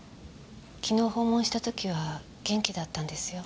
昨日訪問した時は元気だったんですよ。